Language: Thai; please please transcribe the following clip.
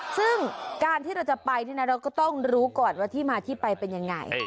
ซึ่งการที่เราจะไปเราก็ต้องรู้ก่อนว่าที่มาที่ไปเป็นยังไง